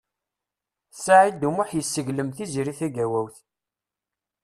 Saɛid U Muḥ yesseglem Tiziri Tagawawt.